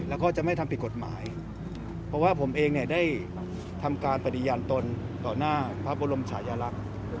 แล้วก็จะไม่ทำผิดกฎหมายเพราะว่าผมเองเนี่ยได้ทำการปฏิญาณตนต่อหน้าพระบรมชายลักษณ์